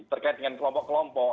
terkait dengan kelompok kelompok